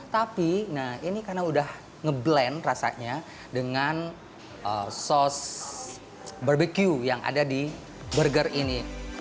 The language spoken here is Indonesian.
tapi nah ini karena udah ngeblend rasanya dengan sos barbecue yang ada di burger ini